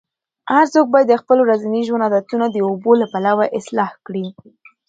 هر څوک باید د خپل ورځني ژوند عادتونه د اوبو له پلوه اصلاح کړي.